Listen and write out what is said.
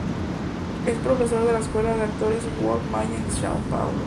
Es profesor de la Escuela de Actores Wolf Maya en São Paulo.